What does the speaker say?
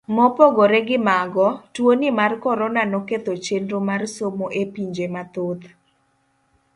Mopogore gi mago, tuoni mar korona noketho chenro mar somo e pinje mathoth.